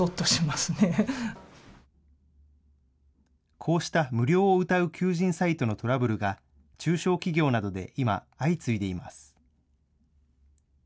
こうした無料をうたう求人サイトのトラブルが中小企業などで今相次いでいます。